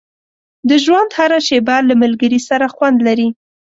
• د ژوند هره شېبه له ملګري سره خوند لري.